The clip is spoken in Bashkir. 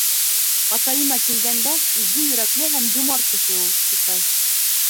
Атайыма килгәндә, изге йөрәкле һәм йомарт кеше ул, — ти ҡыҙ.